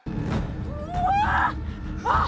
うわ！